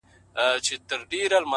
هره تجربه د ژوند درس دی’